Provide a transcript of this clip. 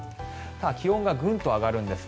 気温がぐんと上がるんです。